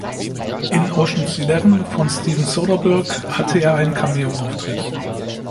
In "Ocean’s Eleven" von Steven Soderbergh hatte er einen Cameo-Auftritt.